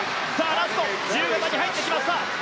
ラスト、自由形に入ってきました。